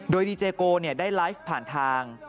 โดยดีเจโก้เนี่ยได้ไลฟ์ผ่านทาง